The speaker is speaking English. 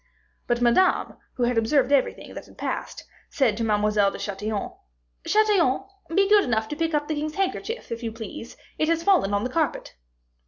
But Madame, who had observed everything that had passed, said to Mademoiselle de Chatillon, "Chatillon, be good enough to pick up the king's handkerchief, if you please; it has fallen on the carpet."